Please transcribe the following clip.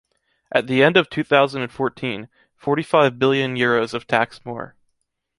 At the end of two thousand and fourteen, forty-five billion euros of tax more.